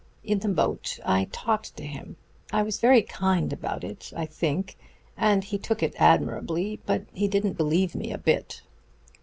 In the boat I talked to him. I was very kind about it, I think, and he took it admirably, but he didn't believe me a bit.